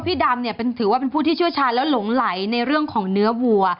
พี่ดำถือว่าเป็นผู้ชื่อชาติและหลงไหลในของเนื้อวัว